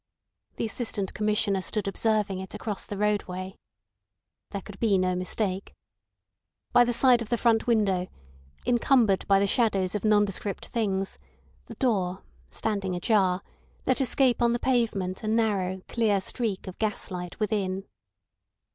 The Assistant Commissioner stood observing it across the roadway. There could be no mistake. By the side of the front window, encumbered by the shadows of nondescript things, the door, standing ajar, let escape on the pavement a narrow, clear streak of gas light within.